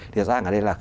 thì rõ ràng ở đây là